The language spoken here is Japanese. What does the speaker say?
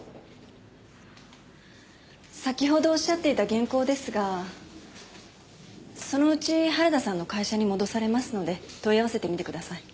先ほどおっしゃっていた原稿ですがそのうち原田さんの会社に戻されますので問い合わせてみてください。